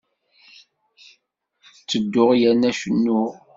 Ttedduɣ yerna cennuɣ.